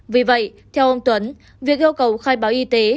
vì vậy theo ông tuấn việc yêu cầu khai báo y tế